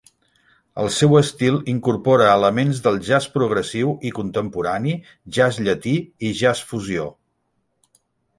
El seu estil incorpora elements del jazz progressiu i contemporani, jazz llatí i jazz fusió.